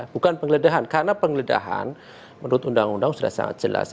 bukan penggeledahan karena penggeledahan menurut undang undang sudah sangat jelas